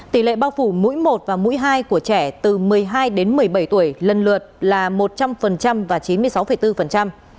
tỷ lệ bao phủ mũi một và mũi hai của trẻ từ một mươi hai đến một mươi bảy tuổi lần lượt là một trăm linh và chín mươi sáu bốn